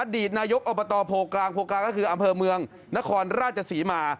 ดีตนายกอบตโพกลางโพกลางก็คืออำเภอเมืองนครราชศรีมา